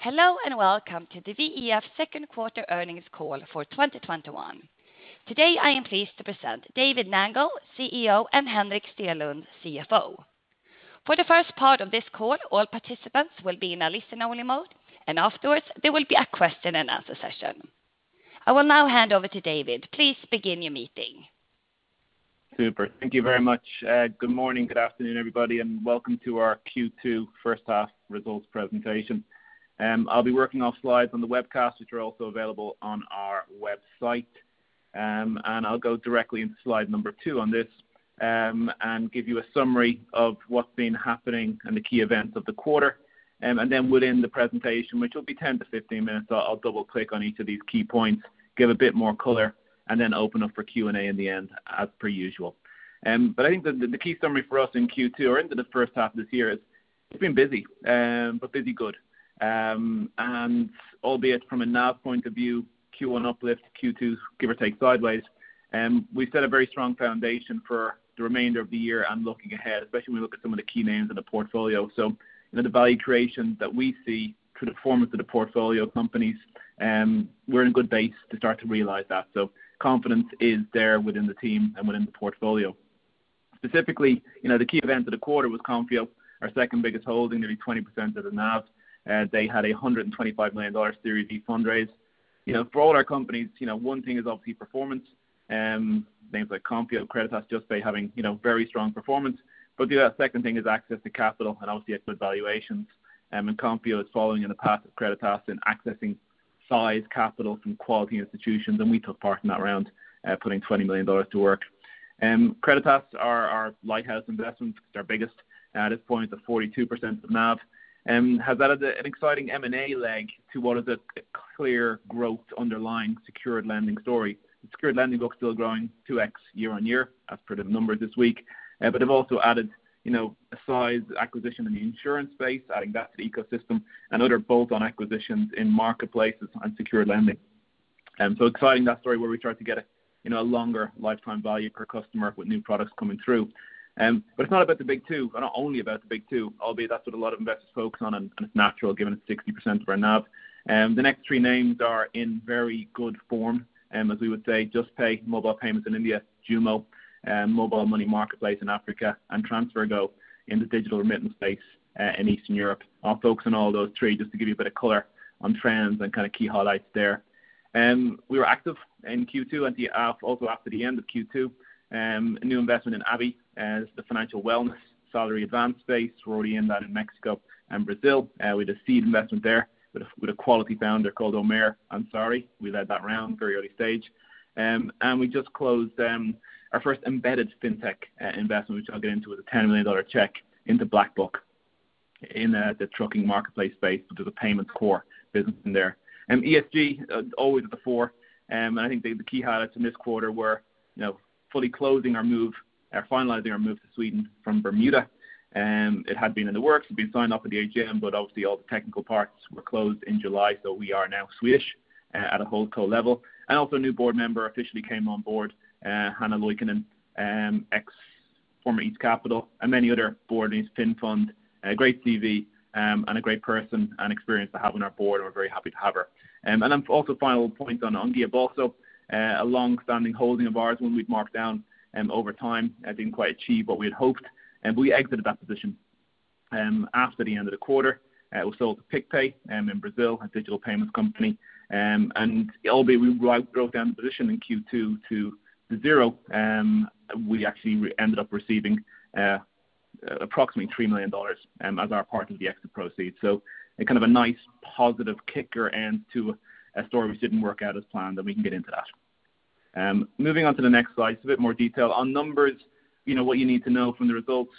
Hello, and welcome to the VEF second quarter earnings call for 2021. Today, I am pleased to present David Nangle, CEO, and Henrik Stenlund, CFO. For the first part of this call, all participants will be in a listen-only mode, and afterwards there will be a question and answer session. I will now hand over to David. Please begin your meeting. Super. Thank you very much. Good morning, good afternoon, everybody, and welcome to our Q2 first half results presentation. I'll be working off slides on the webcast, which are also available on our website. I'll go directly into slide number two on this, and give you a summary of what's been happening and the key events of the quarter. Then within the presentation, which will be 10 to 15 minutes, I'll double-click on each of these key points, give a bit more color, and then open up for Q&A in the end, as per usual. I think the key summary for us in Q2 or into the first half of this year is it's been busy, but busy good. Albeit from a NAV point of view, Q1 uplift, Q2, give or take sideways. We set a very strong foundation for the remainder of the year and looking ahead, especially when we look at some of the key names in the portfolio. The value creation that we see through the performance of the portfolio companies, we're in good base to start to realize that. Confidence is there within the team and within the portfolio. Specifically, the key event of the quarter was Konfio, our second biggest holding, nearly 20% of the NAV. They had a $125 million Series E fundraise. For all our companies, one thing is obviously performance. Names like Konfio, Creditas, Juspay, having very strong performance. The second thing is access to capital and obviously at good valuations. Konfio is following in the path of Creditas in accessing size capital from quality institutions, and we took part in that round, putting $20 million to work. Creditas are our lighthouse investment. It's our biggest at this point at 42% of NAV, has added an exciting M&A leg to what is a clear growth underlying secured lending story. The secured lending book is still growing 2x year-on-year as per the numbers this week. They've also added a sizable acquisition in the insurance space, adding that to the ecosystem and other bolt-on acquisitions in marketplaces and secured lending. Exciting that story where we try to get a longer lifetime value per customer with new products coming through. It's not about the big two, or not only about the big two, albeit that's what a lot of investors focus on, and it's natural given it's 60% of our NAV. The next three names are in very good form, as we would say, Juspay, mobile payments in India, JUMO, mobile money marketplace in Africa, and TransferGo in the digital remittance space, in Eastern Europe. I'll focus on all those three just to give you a bit of color on trends and key highlights there. We were active in Q2 and also after the end of Q2. A new investment in Abhi as the financial wellness salary advance space. We're already in that in Mexico and Brazil with a seed investment there with a quality founder called Omair Ansari. We led that round very early stage. We just closed our first embedded fintech investment, which I'll get into, with a $10 million check into BlackBuck in the trucking marketplace space, but with a payments core business in there. ESG, always at the fore. I think the key highlights in this quarter were fully closing our move or finalizing our move to Sweden from Bermuda. It had been in the works. It had been signed off at the AGM, but obviously all the technical parts were closed in July, so we are now Swedish at a HoldCo level. A new board member officially came on board, Hanna Loikkanen, ex former East Capital and many other board names, Finnfund. A great CV and a great person and experience to have on our board, and we're very happy to have her. A final point on Guiabolso, a long-standing holding of ours, one we've marked down over time, didn't quite achieve what we had hoped. We exited that position after the end of the quarter. We sold to PicPay in Brazil, a digital payments company. Albeit we wrote down the position in Q2 to zero, we actually ended up receiving approximately $3 million as our part of the exit proceeds. A nice positive kicker end to a story which didn't work out as planned, and we can get into that. Moving on to the next slide, so a bit more detail. On numbers, what you need to know from the results.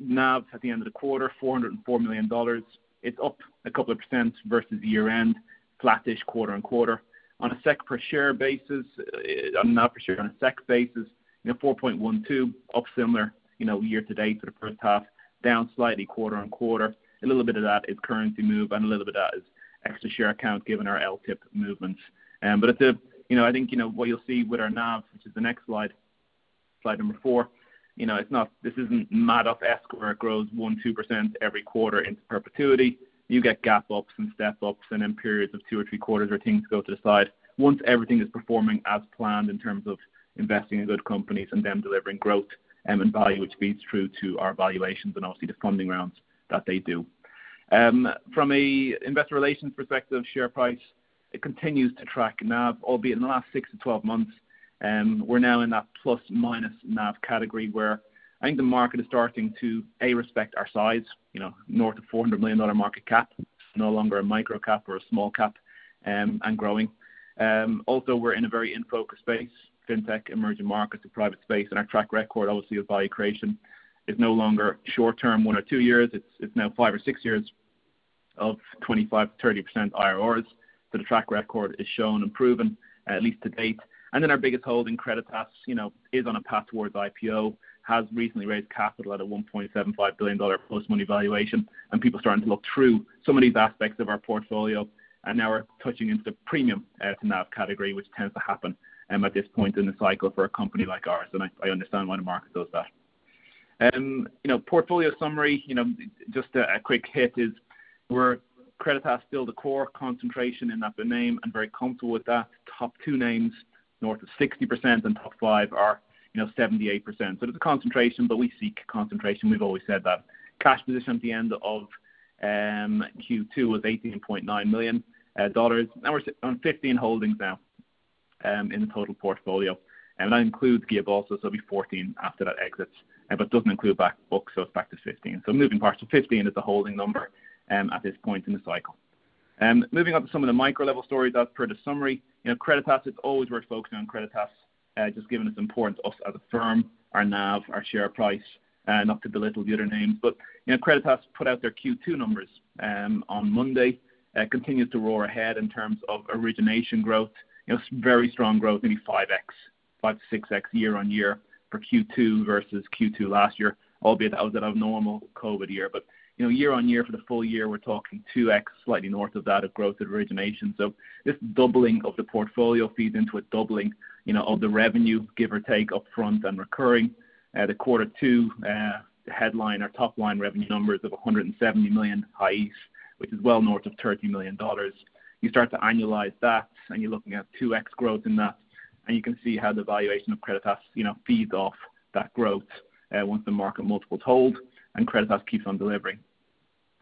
NAV at the end of the quarter, $404 million. It's up a couple of percent versus year-end, flattish quarter-on-quarter. On a NAV per share on a SEK basis, 4.12, up similar year-to-date for the first half, down slightly quarter-on-quarter. A little bit of that is currency move and a little bit of that is extra share count given our LTIP movements. I think what you'll see with our NAV, which is the next slide number four, this isn't Madoff-esque where it grows 1%, 2% every quarter into perpetuity. You get gap ups and step ups and then periods of two or three quarters where things go to the side. Once everything is performing as planned in terms of investing in good companies and them delivering growth and value, which feeds through to our valuations and obviously the funding rounds that they do. From investor relations perspective, share price, it continues to track NAV, albeit in the last 6-12 months we're now in that ± NAV category where I think the market is starting to, A, respect our size. North of $400 million market cap. No longer a microcap or a small cap and growing. Also, we're in a very in-focus space, fintech, emerging markets, the private space. Our track record, obviously, of value creation is no longer short term, one or two years. It's now five or six years of 25%, 30% IRRs. The track record is shown and proven, at least to date. Our biggest holding, Creditas is on a path towards IPO, has recently raised capital at a $1.75 billion post-money valuation, and people are starting to look through some of these aspects of our portfolio and now we're touching into the premium to NAV category, which tends to happen at this point in the cycle for a company like ours, and I understand why the market does that. Portfolio summary, just a quick hit is where Creditas is still the core concentration in that name and very comfortable with that. Top two names, north of 60%. Top five are 78%. It is a concentration. We seek concentration, we've always said that. Cash position at the end of Q2 was $18.9 million. We're on 15 holdings now in the total portfolio. That includes Guiabolso it'll be 14 after that exits. It doesn't include BlackBuck. It's back to 15. Moving parts. 15 is the holding number at this point in the cycle. Moving on to some of the micro level stories as per the summary. Creditas, it's always worth focusing on Creditas just given its importance to us as a firm, our NAV, our share price. Not to belittle the other names. Creditas put out their Q2 numbers on Monday. Continues to roar ahead in terms of origination growth. Very strong growth, nearly 5x-6x year-on-year for Q2 versus Q2 last year, albeit that was an abnormal COVID year. Year-on-year for the full year, we're talking 2x, slightly north of that, of growth and origination. This doubling of the portfolio feeds into a doubling of the revenue, give or take, upfront and recurring. The quarter two headline or top-line revenue numbers of 170 million, which is well north of $30 million. You start to annualize that and you're looking at 2x growth in that, and you can see how the valuation of Creditas feeds off that growth once the market multiples hold and Creditas keeps on delivering.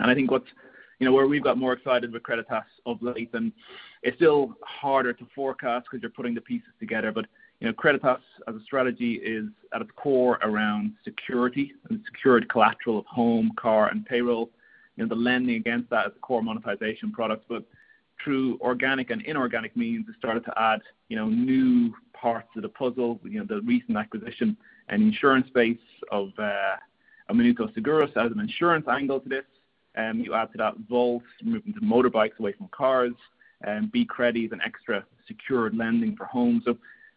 I think where we've got more excited with Creditas of late, it's still harder to forecast because you're putting the pieces together, but Creditas as a strategy is at its core around security and secured collateral of home, car and payroll. The lending against that is the core monetization product. Through organic and inorganic means, it started to add new parts to the puzzle. The recent acquisition and insurance space of Minuto Seguros adds an insurance angle to this. You add to that Voltz moving to motorbikes away from cars, and Bcredi an extra secured lending for homes.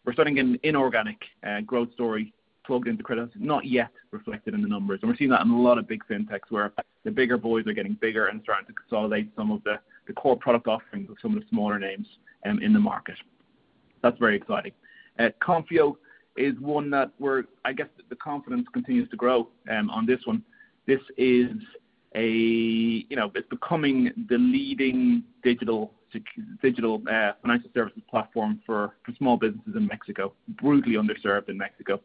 We're starting an inorganic growth story plugged into Creditas, not yet reflected in the numbers. We're seeing that in a lot of big fintechs where the bigger boys are getting bigger and starting to consolidate some of the core product offerings of some of the smaller names in the market. That's very exciting. Konfio is one that I guess the confidence continues to grow on this one. It's becoming the leading digital financial services platform for small businesses in Mexico. Brutally underserved in Mexico.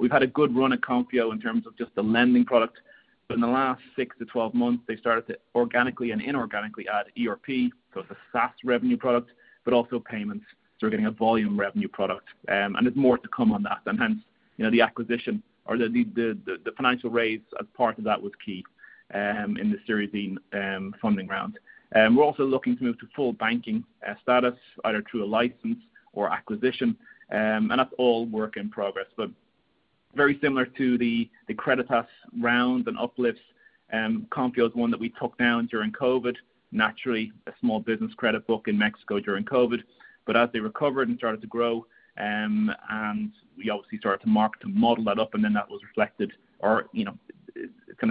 We've had a good run at Konfio in terms of just the lending product. In the last 6-12 months, they started to organically and inorganically add ERP, so it's a SaaS revenue product, but also payments. We're getting a volume revenue product. There's more to come on that. Hence, the acquisition or the financial raise as part of that was key in the Series E funding round. We're also looking to move to full banking status, either through a license or acquisition. That's all work in progress, but very similar to the Creditas round and uplifts. Konfio is one that we took down during COVID, naturally, a small business credit book in Mexico during COVID. As they recovered and started to grow, we obviously started to model that up, that was reflected or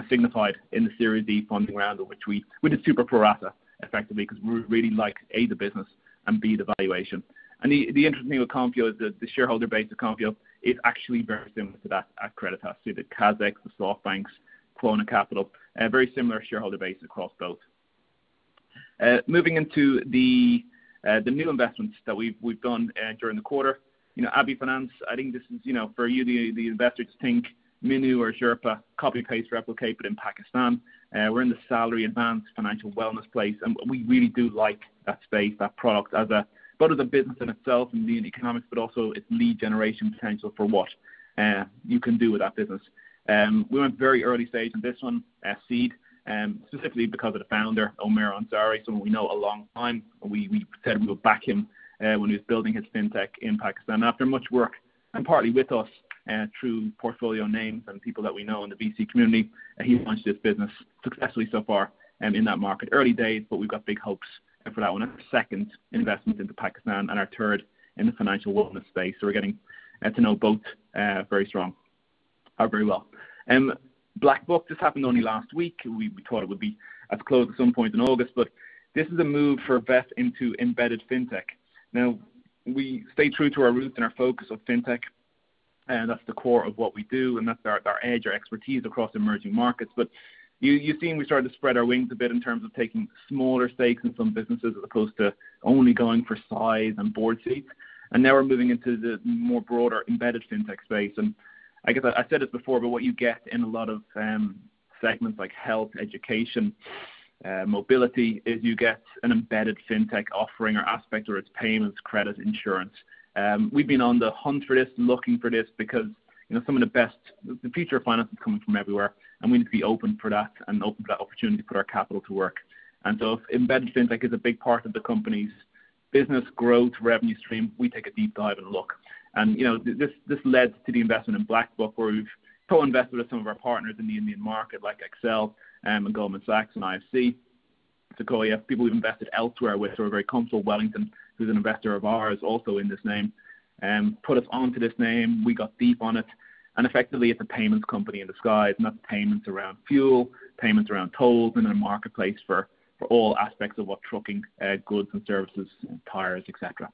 signified in the Series D funding round, of which we did super pro rata effectively because we really like, A, the business and B, the valuation. The interesting thing with Konfio is that the shareholder base of Konfio is actually very similar to that at Creditas. The Kaszeks, the SoftBanks, Quona Capital, very similar shareholder base across both. Moving into the new investments that we've done during the quarter. Abhi Finance, I think this is for you, the investor, to think Minu or Xerpa copy and paste, replicate, in Pakistan. We're in the salary advance financial wellness place, we really do like that space, that product, both as a business in itself and the economics, also its lead generation potential for what you can do with that business. We went very early stage in this one, seed, specifically because of the founder, Omair Ansari, someone we've known a long time, we said we would back him when he was building his fintech in Pakistan. After much work and partly with us through portfolio names and people that we know in the VC community, he launched this business successfully so far in that market. Early days, we've got big hopes for that one. Our second investment into Pakistan and our third in the financial wellness space. We're getting to know both very strong, very well. BlackBuck, this happened only last week. We thought it would be closed at some point in August, this is a move for VEF into embedded fintech. We stay true to our roots and our focus of fintech, that's the core of what we do, that's our edge, our expertise across emerging markets. You've seen we've started to spread our wings a bit in terms of taking smaller stakes in some businesses as opposed to only going for size and board seats. Now we're moving into the more broader embedded fintech space. I guess I said it before, but what you get in a lot of segments like health, education, mobility, is you get an embedded fintech offering or aspect, whether it's payments, credit, insurance. We've been on the hunt for this and looking for this because some of the best. The future of finance is coming from everywhere, and we need to be open for that and open for that opportunity to put our capital to work. If embedded fintech is a big part of the company's business growth revenue stream, we take a deep dive and look. This led to the investment in BlackBuck, where we've co-invested with some of our partners in the Indian market, like Accel and Goldman Sachs and IFC, Sequoia, people we've invested elsewhere with who are very comfortable. Wellington, who's an investor of ours, also in this name, put us onto this name. We got deep on it. Effectively it's a payments company in disguise. That's payments around fuel, payments around tolls. Then a marketplace for all aspects of what trucking goods and services, tires, et cetera.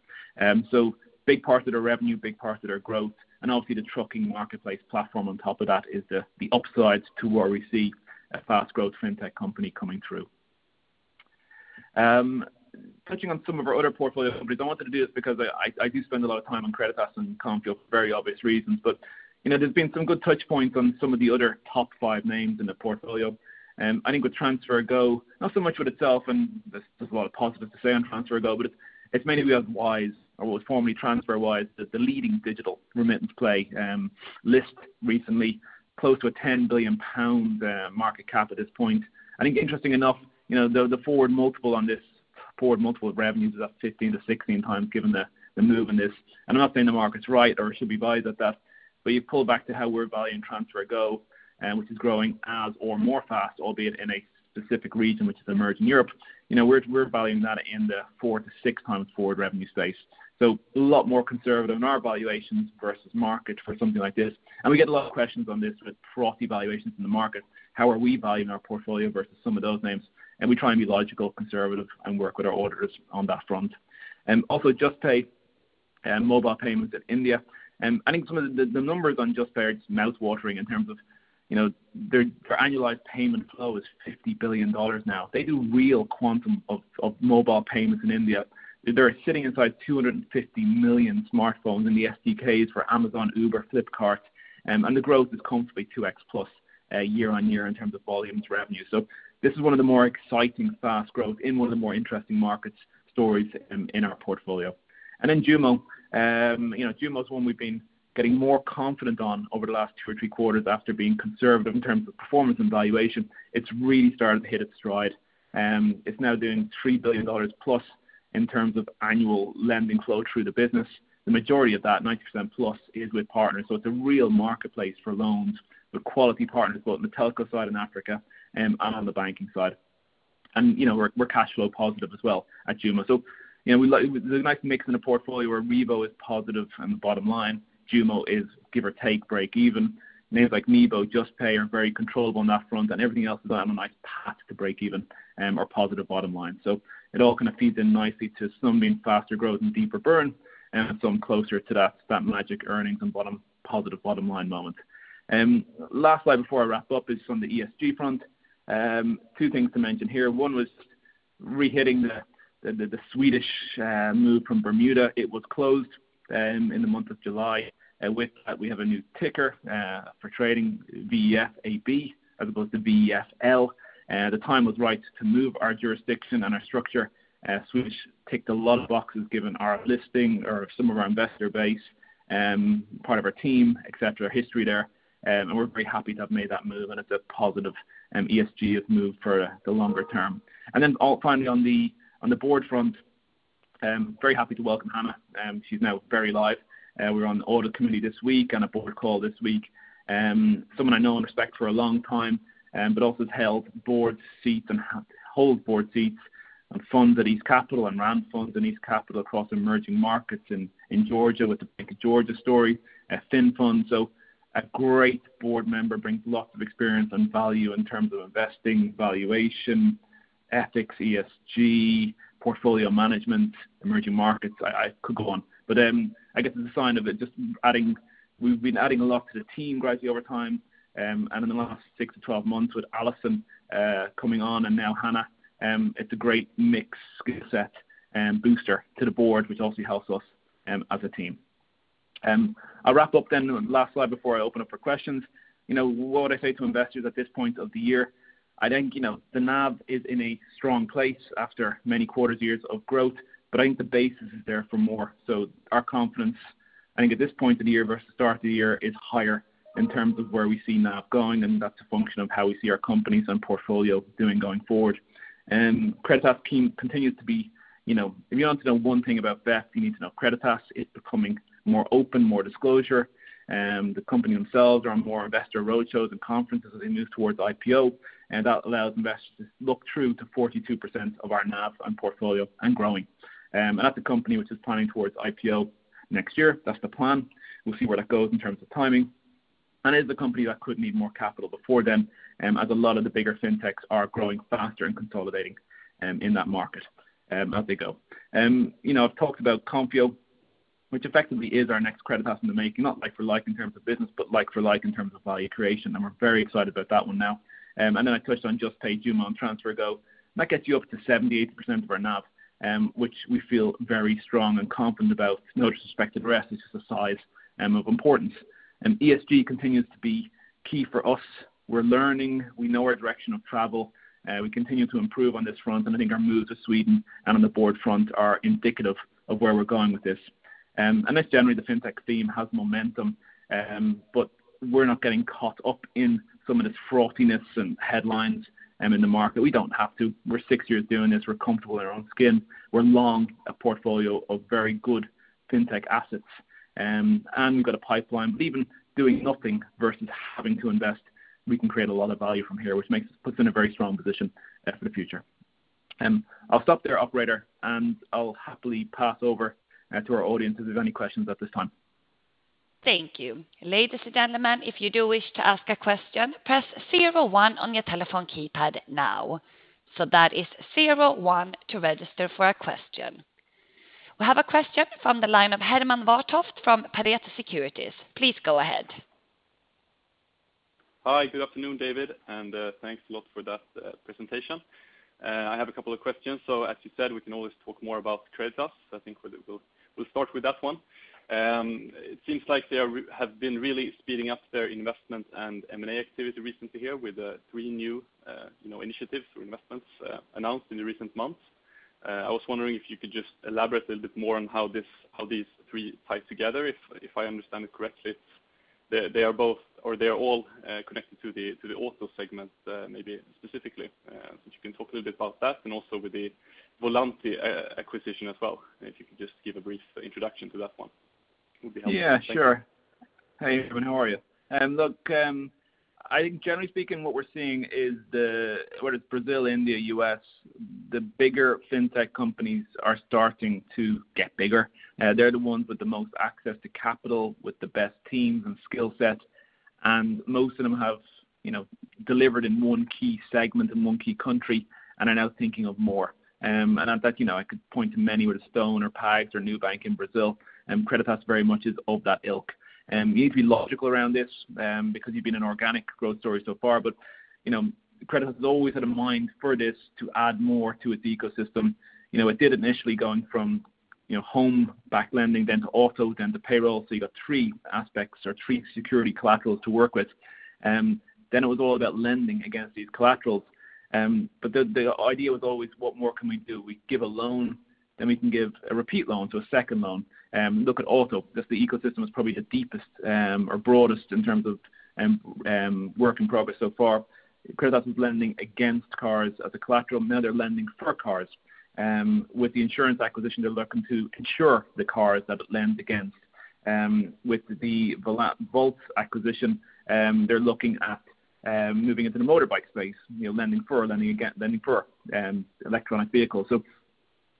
Big part of their revenue, big part of their growth, obviously the trucking marketplace platform on top of that is the upsides to where we see a fast growth fintech company coming through. Touching on some of our other portfolio.I wanted to do this because I do spend a lot of time on Creditas and Konfio for very obvious reasons. There's been some good touch points on some of the other top five names in the portfolio. I think with TransferGo, not so much with itself, there's a lot of positives to say on TransferGo, it's mainly because Wise or what was formerly TransferWise, the leading digital remittance play, listed recently close to a 10 billion pound market cap at this point. I think interestingly enough, the forward multiple on this forward multiple of revenues is up 15x-16x given the move in this. I'm not saying the market's right or should we buy that. You pull back to how we're valuing TransferGo, which is growing as or more fast, albeit in a specific region which is emerging Europe. We're valuing that in the 4x-6x forward revenue space. A lot more conservative in our valuations versus market for something like this. We get a lot of questions on this with frothy valuations in the market. How are we valuing our portfolio versus some of those names? We try and be logical, conservative, and work with our auditors on that front. Also, Juspay mobile payments in India. I think some of the numbers on Juspay are just mouthwatering in terms of their annualized payment flow is $50 billion now. They do real quantum of mobile payments in India. They're sitting inside 250 million smartphones in the SDKs for Amazon, Uber, Flipkart, and the growth is comfortably 2x plus year-over-year in terms of volumes revenue. This is one of the more exciting fast growth in one of the more interesting markets stories in our portfolio. JUMO. JUMO is one we've been getting more confident on over the last two or three quarters after being conservative in terms of performance and valuation. It's really starting to hit its stride. It's now doing $3 billion plus in terms of annual lending flow through the business. The majority of that, 90% plus, is with partners. It's a real marketplace for loans with quality partners, both on the telco side in Africa and on the banking side. We're cash flow positive as well at JUMO. There's a nice mix in a portfolio where Revo is positive on the bottom line, JUMO is give or take break even. Names like Nibo, Juspay are very controllable on that front, and everything else is on a nice path to break even or positive bottom line. It all kind of feeds in nicely to some being faster growth and deeper burn and some closer to that magic earnings and positive bottom line moment. Last slide before I wrap up is from the ESG front. Two things to mention here. One was re-hitting the Swedish move from Bermuda. It was closed in the month of July. We have a new ticker for trading, VEFAB as opposed to VEFL. The time was right to move our jurisdiction and our structure. Swedish ticked a lot of boxes given our listing or some of our investor base, part of our team, et cetera, history there. We're very happy to have made that move, and it's a positive ESG move for the longer term. Finally on the board front, very happy to welcome Hanna. She's now very live. We were on the audit committee this week on a board call this week. Someone I know and respect for a long time but also has held board seats and holds board seats on funds at East Capital and ran funds in East Capital across emerging markets in Georgia with the Bank of Georgia story, at Finnfund. A great board member, brings lots of experience and value in terms of investing valuation, ethics, ESG, portfolio management, emerging markets. I could go on. I guess it's a sign of it just. We've been adding a lot to the team gradually over time. In the last 6-12 months with Allison coming on and now Hanna, it's a great mix skill set booster to the board, which also helps us as a team. I'll wrap up then. Last slide before I open up for questions. What would I say to investors at this point of the year? I think the NAV is in a strong place after many quarters, years of growth, but I think the basis is there for more. Our confidence, I think at this point in the year versus start of the year is higher in terms of where we see NAV going, and that's a function of how we see our companies and portfolio doing going forward. Creditas team continues to be, if you want to know one thing about VEF, you need to know Creditas is becoming more open, more disclosure. The company themselves are on more investor roadshows and conferences as they move towards IPO. That allows investors to look through to 42% of our NAV and portfolio and growing. That's a company which is planning towards IPO next year. That's the plan. We'll see where that goes in terms of timing. It is a company that could need more capital before then, as a lot of the bigger fintechs are growing faster and consolidating in that market as they go. I've talked about Konfio, which effectively is our next Creditas in the making, not like-for-like in terms of business, but like-for-like in terms of value creation. We're very excited about that one now. Then I touched on Juspay, JUMO, and TransferGo. That gets you up to 78% of our NAV, which we feel very strong and confident about. No disrespected rest is just a size of importance. ESG continues to be key for us. We're learning. We know our direction of travel. We continue to improve on this front. I think our move to Sweden and on the board front are indicative of where we're going with this. Generally, the fintech theme has momentum but we're not getting caught up in some of this frothiness and headlines in the market. We don't have to. We're six years doing this. We're comfortable in our own skin. We're long a portfolio of very good fintech assets, and we've got a pipeline. Even doing nothing versus having to invest, we can create a lot of value from here, which puts in a very strong position for the future. I'll stop there, operator, and I'll happily pass over to our audience if there's any questions at this time. Thank you. Ladies and gentlemen, if you do wish to ask a question, press zero one on your telephone keypad now. That is zero one to register for a question. We have a question from the line of Herman Wartoft from Pareto Securities. Please go ahead. Hi. Good afternoon, David, and thanks a lot for that presentation. I have a couple of questions. As you said, we can always talk more about Creditas. I think we'll start with that one. It seems like they have been really speeding up their investments and M&A activity recently here with the three new initiatives or investments announced in the recent months. I was wondering if you could just elaborate a little bit more on how these three tie together. If I understand it correctly, they are both or they are all connected to the auto segment maybe specifically. If you can talk a little bit about that and also with the Volanty acquisition as well, if you could just give a brief introduction to that one, would be helpful. Thank you. Yeah, sure. Hey, Herman, how are you? Look, I think generally speaking, what we're seeing is the, whether it's Brazil, India, U.S., the bigger fintech companies are starting to get bigger. They're the ones with the most access to capital, with the best teams and skill sets, and most of them have delivered in one key segment, in one key country and are now thinking of more. I could point to many, whether StoneCo or PagSeguro or Nubank in Brazil, and Creditas very much is of that ilk. You need to be logical around this because you've been an organic growth story so far, but Creditas has always had a mind for this to add more to its ecosystem. It did initially going from home-backed lending, then to auto, then to payroll. You got three aspects or three security collaterals to work with. It was all about lending against these collaterals. The idea was always what more can we do? We give a loan, then we can give a repeat loan, so a second loan. Look at auto, that's the ecosystem that's probably the deepest or broadest in terms of work in progress so far. Creditas was lending against cars as a collateral. Now they're lending for cars. With the insurance acquisition, they're looking to insure the cars that it lend against. With the Voltz acquisition, they're looking at moving into the motorbike space, lending for electronic vehicles.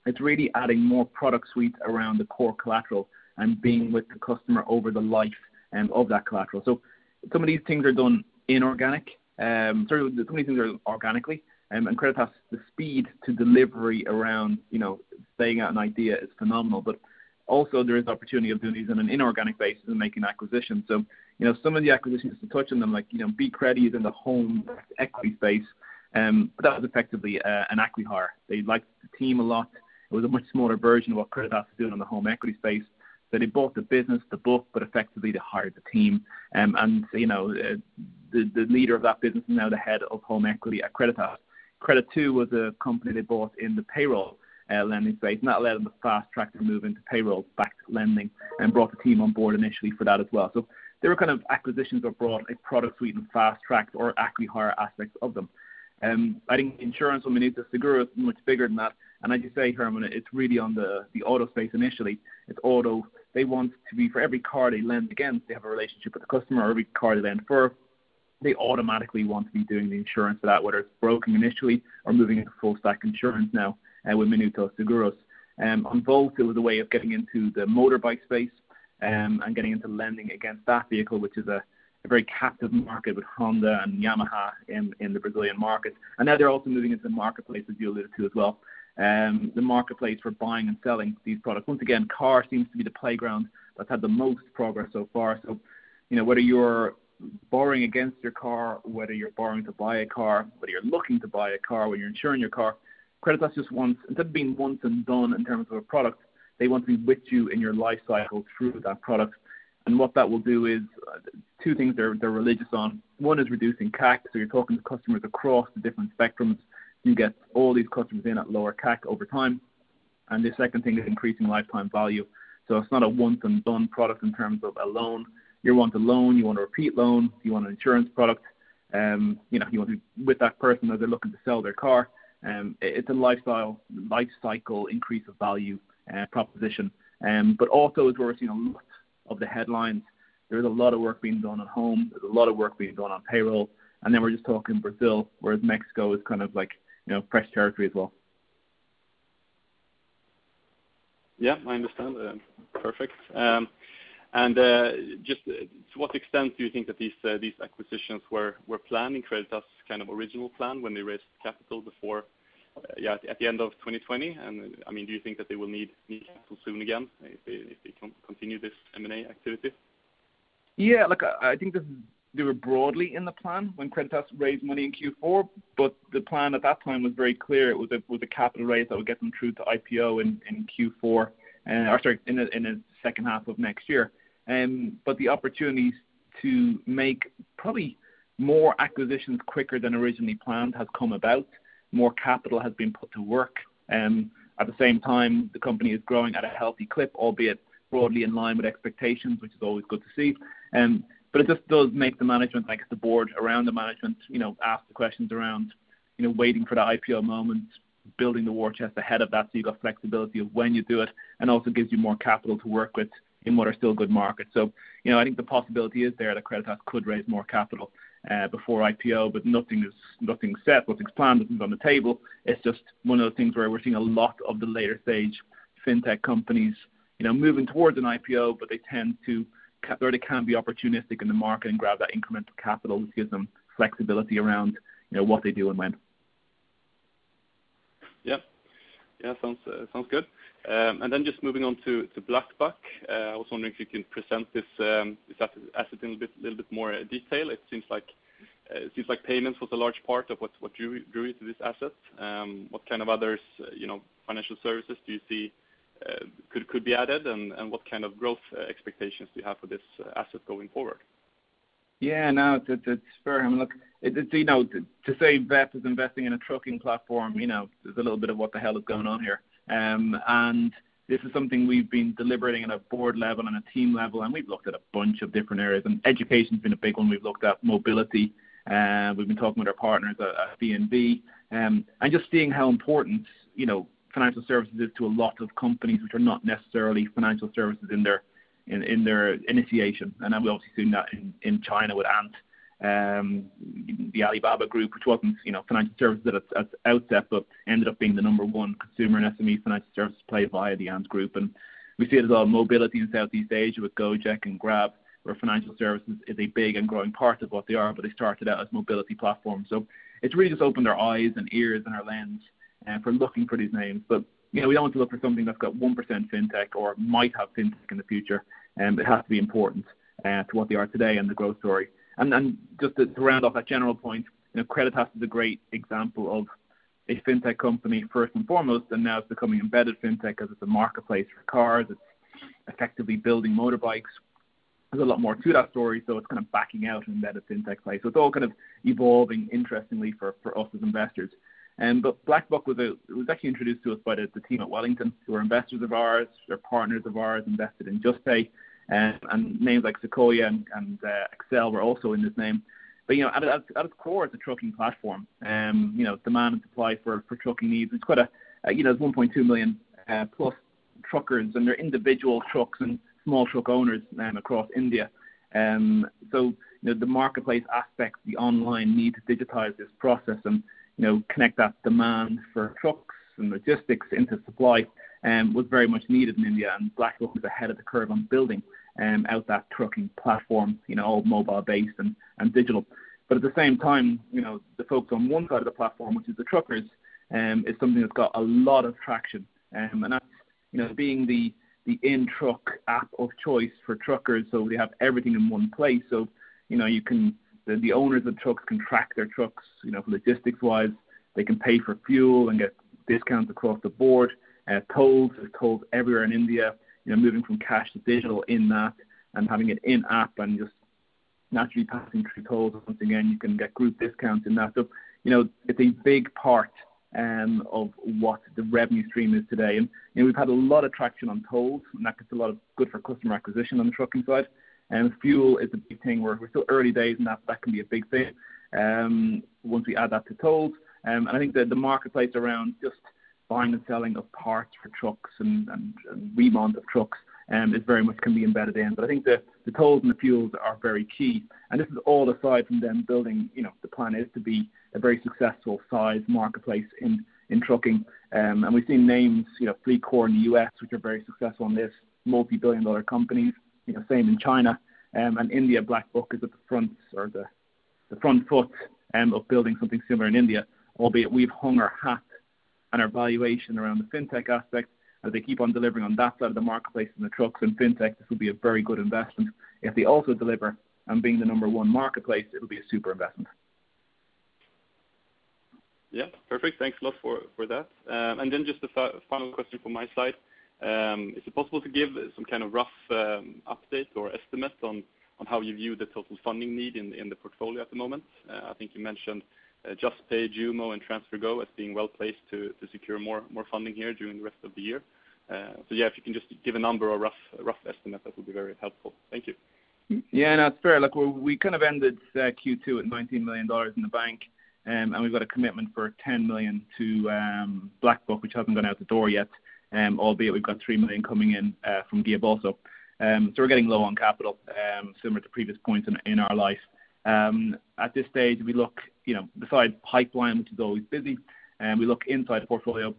It's really adding more product suite around the core collateral and being with the customer over the life of that collateral. Some of these things are done organically, and Creditas, the speed to delivery around staying at an idea is phenomenal. Also there is opportunity of doing these on an inorganic basis and making acquisitions. Some of the acquisitions, to touch on them like Bcredi in the home equity space. That was effectively an acqui-hire. They liked the team a lot. It was a much smaller version of what Creditas is doing on the home equity space. They bought the business, the book, but effectively they hired the team. The leader of that business is now the head of home equity at Creditas. Creditoo was a company they bought in the payroll lending space, and that allowed them a fast track to move into payroll-backed lending and brought the team on board initially for that as well. There were kind of acquisitions that brought a product suite and fast-tracked or acqui-hire aspects of them. I think insurance, Minuto Seguros, much bigger than that. As you say, Herman, it's really on the auto space initially. It's auto. They want to be for every car they lend against, they have a relationship with the customer. Every car they lend for, they automatically want to be doing the insurance for that, whether it's broking initially or moving into full stack insurance now with Minuto Seguros. On Voltz, it was a way of getting into the motorbike space, and getting into lending against that vehicle, which is a very captive market with Honda and Yamaha in the Brazilian market. Now they're also moving into the marketplace, as you alluded to as well. The marketplace for buying and selling these products. Once again, car seems to be the playground that's had the most progress so far. Whether you're borrowing against your car, whether you're borrowing to buy a car, whether you're looking to buy a car, whether you're insuring your car, Creditas just wants, instead of being once and done in terms of a product, they want to be with you in your life cycle through that product. What that will do is two things they're religious on. One is reducing CAC. You're talking to customers across the different spectrums. You get all these customers in at lower CAC over time. The second thing is increasing lifetime value. It's not a once and done product in terms of a loan. You want a loan, you want a repeat loan, you want an insurance product, you want to be with that person as they're looking to sell their car. It's a life cycle increase of value proposition. Auto is where we're seeing a lot of the headlines. There is a lot of work being done at home. There's a lot of work being done on payroll. Then we're just talking Brazil, whereas Mexico is kind of fresh territory as well. Yeah, I understand. Perfect. Just to what extent do you think that these acquisitions were planned in Creditas kind of original plan when they raised capital before at the end of 2020? Do you think that they will need capital soon again if they continue this M&A activity? Look, I think they were broadly in the plan when Creditas raised money in Q4. The plan at that time was very clear. It was a capital raise that would get them through to IPO in the second half of next year. The opportunities to make probably more acquisitions quicker than originally planned has come about. More capital has been put to work. At the same time, the company is growing at a healthy clip, albeit broadly in line with expectations, which is always good to see. It just does make the management, I guess the board around the management ask the questions around waiting for the IPO moment, building the war chest ahead of that so you got flexibility of when you do it, and also gives you more capital to work with in what are still good markets. I think the possibility is there that Creditas could raise more capital before IPO, but nothing's set. Nothing's planned, nothing's on the table. It's just one of those things where we're seeing a lot of the later stage fintech companies moving towards an IPO, but they tend to, or they can be opportunistic in the market and grab that incremental capital, which gives them flexibility around what they do and when. Yeah. Just moving on to BlackBuck. I was wondering if you can present this asset in a little bit more detail. It seems like payments was a large part of what drew you to this asset. What kind of other financial services do you see could be added, and what kind of growth expectations do you have for this asset going forward? Yeah, no, that's fair. Look, to say VEF is investing in a trucking platform is a little bit of what the hell is going on here. This is something we've been deliberating at a board level and a team level, and we've looked at a bunch of different areas, and education's been a big one we've looked at, mobility. We've been talking with our partners at [B&B], just seeing how important financial services is to a lot of companies, which are not necessarily financial services in their initiation. Then we obviously seen that in China with Ant, the Alibaba Group, which wasn't a financial service at its outset, but ended up being the number one consumer and SME financial services play via the Ant Group. We see it as well in mobility in Southeast Asia with Gojek and Grab, where financial services is a big and growing part of what they are, but they started out as mobility platforms. It's really just opened our eyes and ears and our lens from looking for these names. We don't want to look for something that's got 1% fintech or might have fintech in the future. It has to be important to what they are today and the growth story. Then just to round off that general point, Creditas is a great example of a fintech company first and foremost, and now it's becoming embedded fintech because it's a marketplace for cars. It's effectively building motorbikes. There's a lot more to that story, it's kind of backing out an embedded fintech play. It's all kind of evolving interestingly for us as investors. BlackBuck was actually introduced to us by the team at Wellington, who are investors of ours. They're partners of ours, invested in Juspay, and names like Sequoia and Accel were also in this name. At its core, it's a trucking platform. Demand and supply for trucking needs. There's 1.2 million+ truckers, and they're individual trucks and small truck owners across India. The marketplace aspect, the online need to digitize this process and connect that demand for trucks and logistics into supply was very much needed in India. BlackBuck was ahead of the curve on building out that trucking platform, all mobile based and digital. At the same time, the folks on one side of the platform, which is the truckers, is something that's got a lot of traction. That being the in-truck app of choice for truckers, so they have everything in one place. The owners of trucks can track their trucks, logistics wise. They can pay for fuel and get discounts across the board. Tolls, there are tolls everywhere in India, moving from cash to digital in that and having it in app and just naturally passing through tolls. Once again, you can get group discounts in that. It's a big part of what the revenue stream is today. We've had a lot of traction on tolls, and that gets a lot of good for customer acquisition on the trucking side. Fuel is a big thing. We're still early days, and that can be a big thing once we add that to tolls. I think that the marketplace around just buying and selling of parts for trucks and reman of trucks very much can be embedded in. I think the tolls and the fuels are very key, and this is all aside from them building. The plan is to be a very successful size marketplace in trucking. We've seen names, FLEETCOR in the U.S. which are very successful in this, multi-billion dollar companies. Same in China. India, BlackBuck is at the front foot of building something similar in India, albeit we've hung our hat and our valuation around the fintech aspect, as they keep on delivering on that side of the marketplace and the trucks and fintech, this will be a very good investment. If they also deliver on being the number one marketplace, it'll be a super investment. Yeah. Perfect. Thanks a lot for that. Just a final question from my side. Is it possible to give some kind of rough update or estimate on how you view the total funding need in the portfolio at the moment? I think you mentioned Juspay, JUMO, and TransferGo as being well-placed to secure more funding here during the rest of the year. Yeah, if you can just give a number or rough estimate, that would be very helpful. Thank you. Yeah, no, that's fair. Look, we kind of ended Q2 at $19 million in the bank, and we've got a commitment for $10 million to BlackBuck, which hasn't gone out the door yet, albeit we've got $3 million coming in from Guiabolso. We're getting low on capital, similar to previous points in our life. At this stage, besides pipeline, which is always busy, we look inside the portfolio.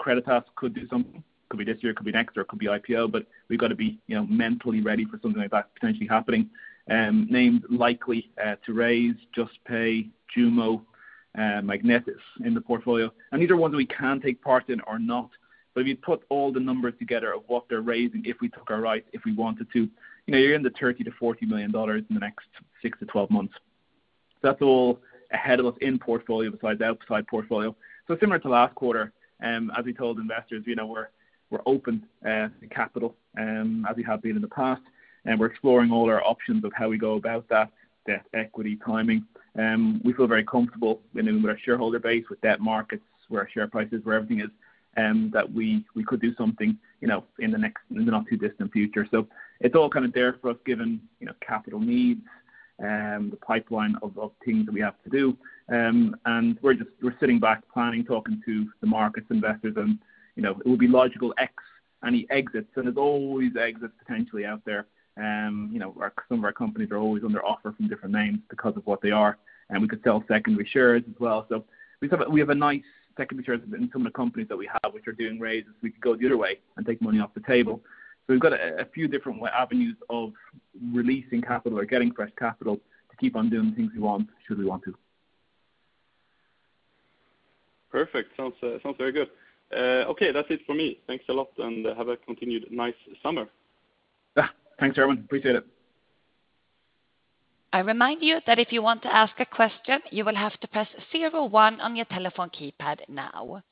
Creditas could do something, could be this year, could be next, or it could be IPO. We've got to be mentally ready for something like that potentially happening. Names likely to raise, Juspay, JUMO, Magnetis in the portfolio. These are ones we can take part in or not. If you put all the numbers together of what they're raising, if we took our right, if we wanted to, you're in the $30 million-$40 million in the next 6-12 months. That's all ahead of us in portfolio besides outside portfolio. Similar to last quarter, as we told investors, we're open to capital, as we have been in the past, and we're exploring all our options of how we go about that, debt, equity, timing. We feel very comfortable with our shareholder base, with debt markets, where our share price is, where everything is, that we could do something in the not too distant future. It's all kind of there for us given capital needs, the pipeline of things that we have to do. We're sitting back planning, talking to the markets, investors. It would be logical ex any exits, and there's always exits potentially out there. Some of our companies are always under offer from different names because of what they are. We could sell secondary shares as well. We have a nice secondary shares in some of the companies that we have, which are doing raises. We could go the other way and take money off the table. We've got a few different avenues of releasing capital or getting fresh capital to keep on doing things we want should we want to. Perfect. Sounds very good. That's it for me. Thanks a lot, and have a continued nice summer. Yeah. Thanks, Herman. Appreciate it. I remind you that if you want to ask a question, you will have to press zero one on your telephone keypad now.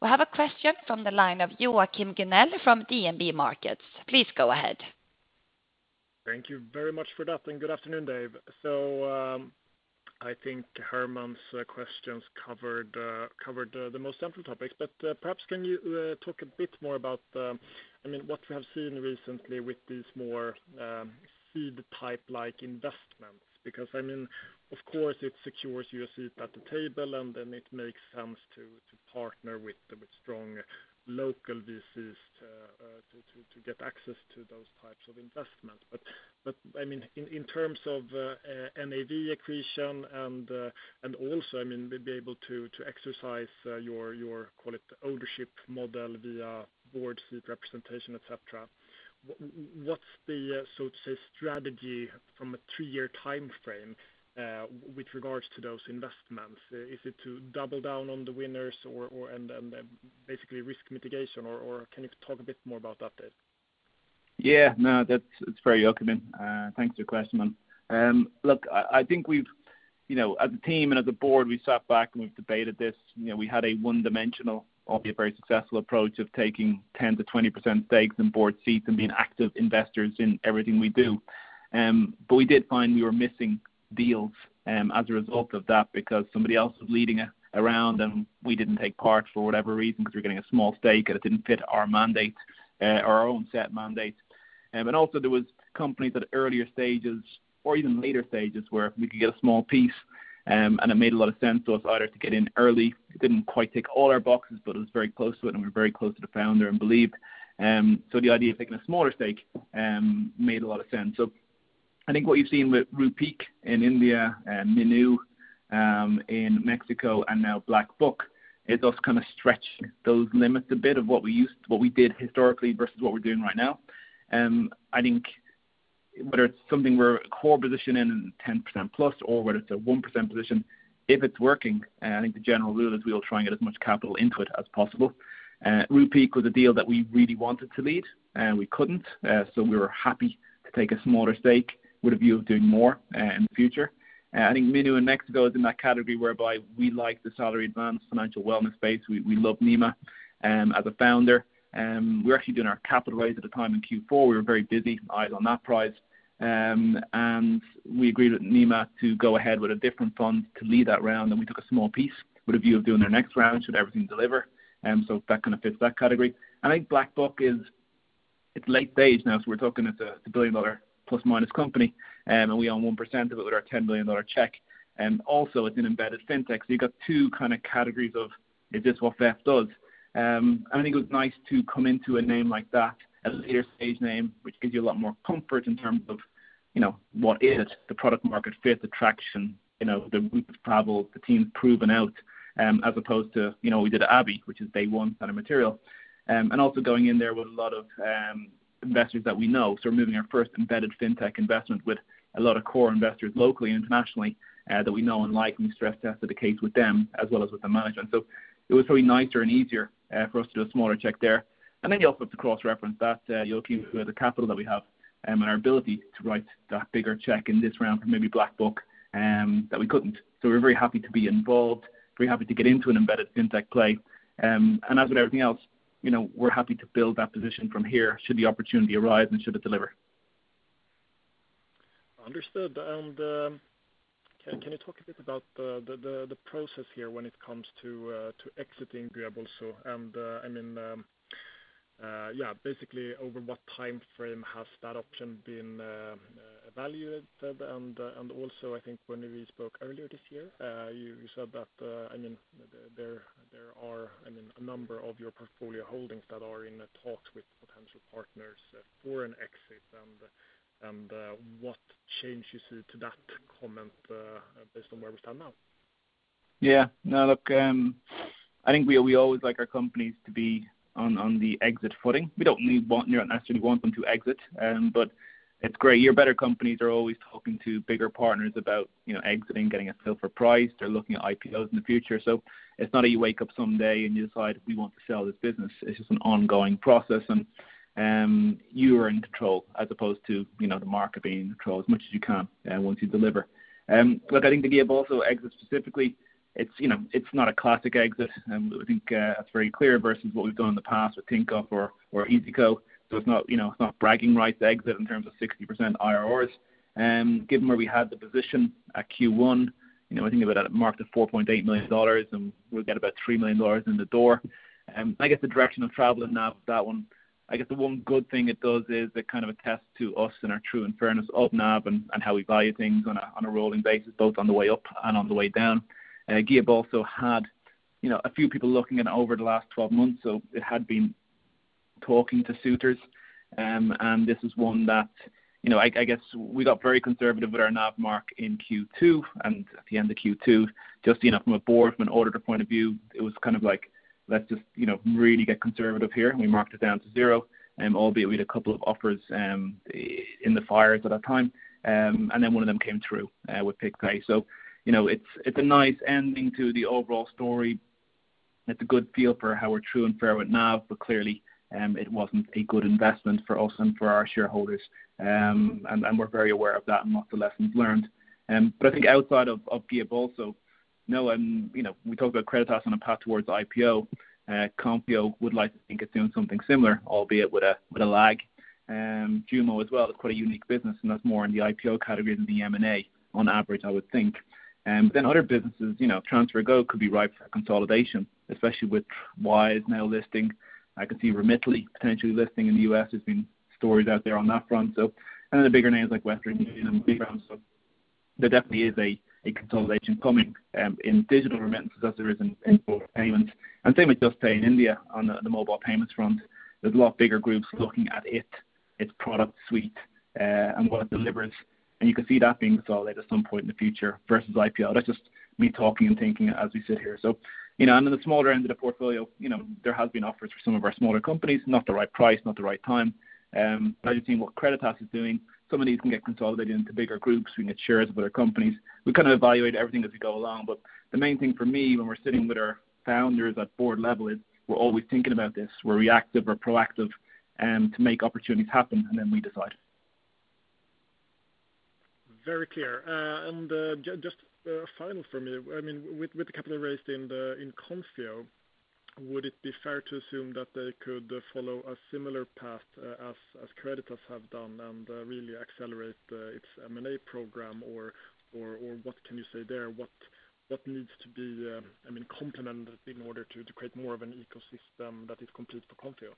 We have a question from the line of Joachim Gunell from DNB Markets. Please go ahead. Thank you very much for that. Good afternoon, Dave. I think Herman's questions covered the most central topics. Perhaps can you talk a bit more about what we have seen recently with these more seed type-like investments because of course it secures your seat at the table and then it makes sense to partner with strong local VCs to get access to those types of investments. In terms of NAV accretion and also being able to exercise your, call it, ownership model via board seat representation, et cetera, what's the strategy from a three-year timeframe with regards to those investments? Is it to double down on the winners and then basically risk mitigation, or can you talk a bit more about that Dave? Yeah. No, that's very welcoming. Thanks for the question, man. Look, I think as a team and as a board, we sat back and we've debated this. We had a one-dimensional, albeit very successful approach of taking 10%-20% stakes and board seats and being active investors in everything we do. We did find we were missing deals as a result of that because somebody else was leading around and we didn't take part for whatever reason because we were getting a small stake and it didn't fit our mandate or our own set mandates. Also there was companies at earlier stages or even later stages where we could get a small piece, and it made a lot of sense to us either to get in early. It didn't quite tick all our boxes, but it was very close to it and we were very close to the founder and believed. The idea of taking a smaller stake made a lot of sense. I think what you've seen with Rupeek in India and Minu in Mexico and now BlackBuck is us kind of stretch those limits a bit of what we did historically versus what we're doing right now. I think whether it's something we're a core position in 10%+ or whether it's a 1% position, if it's working, I think the general rule is we all try and get as much capital into it as possible. Rupeek was a deal that we really wanted to lead, and we couldn't so we were happy to take a smaller stake with a view of doing more in the future. I think Minu in Mexico is in that category whereby we like the salary advance financial wellness space. We love Nima as a founder. We were actually doing our capital raise at the time in Q4. We were very busy eyes on that prize. We agreed with Nima to go ahead with a different fund to lead that round and we took a small piece with a view of doing their next round should everything deliver. That kind of fits that category. I think BlackBuck is it's late stage now, we're talking it's a billion-dollar plus minus company, and we own 1% of it with our $10 billion check. It's an embedded fintech. You've got two kind of categories of is this what VEF does? I think it was nice to come into a name like that at a later stage name, which gives you a lot more comfort in terms of what is it, the product market fit, the traction, the route of travel, the team's proven out as opposed to we did at Abhi, which is day one kind of material. Also going in there with a lot of investors that we know. We're moving our first embedded fintech investment with a lot of core investors locally and internationally that we know and like and we stress tested the case with them as well as with the management. It was probably nicer and easier for us to do a smaller check there. You also have to cross reference that Joachim with the capital that we have and our ability to write that bigger check in this round for maybe BlackBuck that we couldn't. We're very happy to be involved, very happy to get into an embedded fintech play. As with everything else, we're happy to build that position from here should the opportunity arise and should it deliver. Understood. Can you talk a bit about the process here when it comes to exiting Guiabolso and basically over what timeframe has that option been evaluated? Also, I think when we spoke earlier this year you said that there are a number of your portfolio holdings that are in talks with potential partners for an exit and what changes to that comment based on where we stand now? Yeah. No, look, I think we always like our companies to be on the exit footing. We don't necessarily want them to exit but it's great. Your better companies are always talking to bigger partners about exiting, getting a sale for price. They're looking at IPOs in the future. It's not that you wake up someday and you decide we want to sell this business. It's just an ongoing process and you are in control as opposed to the market being in control as much as you can once you deliver. Look, I think the Guiabolso also exit specifically, it's not a classic exit. I think that's very clear versus what we've done in the past with Tinkoff or iyzico. It's not bragging rights exit in terms of 60% IRRs. Given where we had the position at Q1, I think it would have marked at $4.8 million and we'll get about $3 million in the door. I guess the direction of travel is NAV with that one. I guess the one good thing it does is it kind of attests to us and our true and fairness of NAV and how we value things on a rolling basis both on the way up and on the way down. Guiabolso had a few people looking at it over the last 12 months. It had been talking to suitors. This is one that I guess we got very conservative with our NAV mark in Q2 and at the end of Q2 just from a board, from an auditor point of view, it was kind of like let's just really get conservative here and we marked it down to zero albeit we had a couple of offers in the fires at that time. One of them came through with PicPay. It's a nice ending to the overall story. It's a good feel for how we're true and fair with NAV, but clearly it wasn't a good investment for us and for our shareholders. We're very aware of that and lots of lessons learned. I think outside of Gearbulso, we talk about Creditas on a path towards IPO. Konfio would like to think it's doing something similar, albeit with a lag. JUMO as well, quite a unique business, and that's more in the IPO category than the M&A, on average, I would think. Other businesses, TransferGo could be ripe for consolidation, especially with Wise now listing. I could see Remitly potentially listing in the U.S. There's been stories out there on that front. The bigger names like Western Union. There definitely is a consolidation coming in digital remittances as there is in border payment. Same with Juspay in India on the mobile payments front. There's a lot bigger groups looking at it, its product suite and what it delivers. You can see that being consolidated at some point in the future versus IPO. That's just me talking and thinking as we sit here. On the smaller end of the portfolio, there has been offers for some of our smaller companies, not the right price, not the right time. As you've seen what Creditas is doing, some of these can get consolidated into bigger groups. We can get shares with other companies. We evaluate everything as we go along. The main thing for me when we're sitting with our founders at board level is we're always thinking about this. We're reactive, we're proactive to make opportunities happen. Then we decide. Very clear. Just final from me, with the capital raised in Konfio, would it be fair to assume that they could follow a similar path as Creditas have done and really accelerate its M&A program? What can you say there? What needs to be complemented in order to create more of an ecosystem that is complete for Konfio?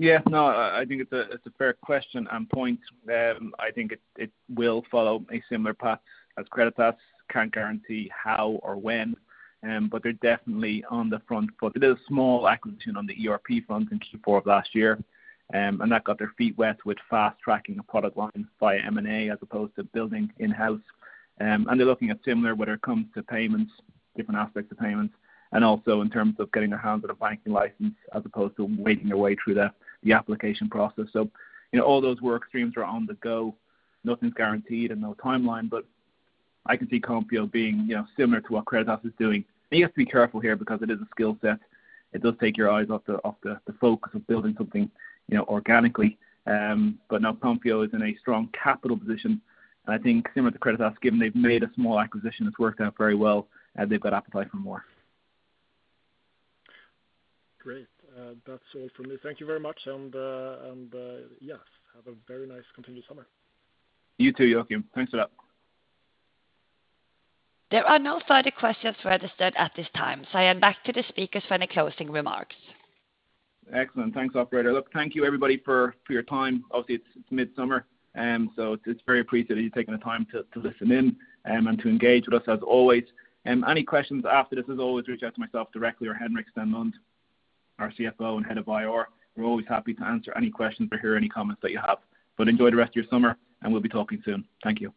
Yeah. I think it's a fair question and point. I think it will follow a similar path as Creditas. Can't guarantee how or when but they're definitely on the front foot. They did a small acquisition on the ERP front in Q4 of last year, and that got their feet wet with fast-tracking a product line via M&A as opposed to building in-house. They're looking at similar, whether it comes to payments, different aspects of payments, and also in terms of getting their hands on a banking license as opposed to waiting their way through the application process. All those work streams are on the go. Nothing's guaranteed and no timeline, but I can see Konfio being similar to what Creditas is doing. You have to be careful here because it is a skill set. It does take your eyes off the focus of building something organically. Now Konfio is in a strong capital position and I think similar to Creditas, given they've made a small acquisition that's worked out very well, they've got appetite for more. Great. That's all from me. Thank you very much. Yes, have a very nice continued summer. You too, Joachim Thanks a lot. There are no further questions registered at this time, so hand back to the speakers for any closing remarks. Excellent. Thanks, operator. Look, thank you everybody for your time. Obviously, it's midsummer so it's very appreciated you taking the time to listen in and to engage with us as always. Any questions after this, as always, reach out to myself directly or Henrik Stenlund, our CFO and Head of IR. We're always happy to answer any questions or hear any comments that you have. Enjoy the rest of your summer and we'll be talking soon. Thank you.